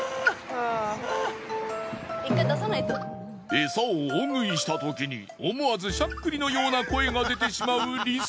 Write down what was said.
エサを大食いしたときに思わずしゃっくりのような声が出てしまうリス。